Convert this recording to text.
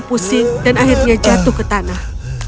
pusing dan akhirnya jatuh ke tanah